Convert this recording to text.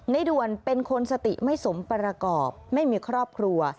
ด่วนเป็นคนสติไม่สมประกอบไม่มีครอบครัว